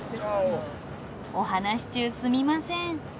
お話し中すみません。